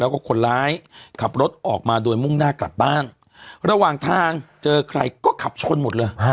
แล้วก็คนร้ายขับรถออกมาโดยมุ่งหน้ากลับบ้านระหว่างทางเจอใครก็ขับชนหมดเลย